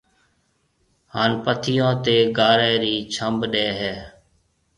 ھان پٿيو تيَ گارَي رِي ڇنڀ ڏَي ھيََََ